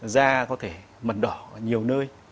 da có thể mẩn đỏ ở nhiều nơi